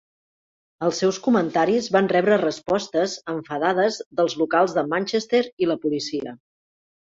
Els seus comentaris van rebre respostes enfadades dels locals de Manchester i la policia.